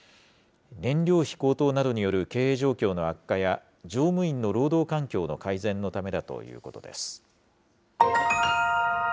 燃料費高騰などによる経営状況の悪化や、乗務員の労働環境の改善のためだということです。